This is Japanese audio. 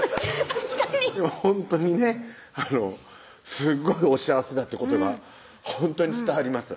確かにほんとにねあのすっごいお幸せだってことがほんとに伝わります